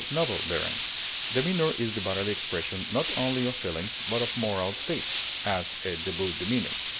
Demeanor is the bodily expression, not only of feelings, but of moral states; as, a devout demeanor.